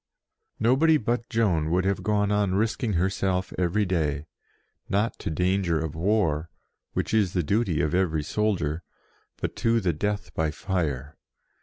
Nobody but Joan would have gone on 84 JOAN OF ARC risking herself every day, not to danger of war, which is the duty of every soldier, but to the death by fire.